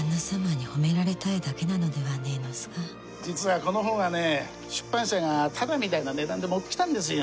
実はこの本はね出版社がただみたいな値段で持ってきたんですよ。